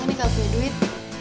ini gak punya duit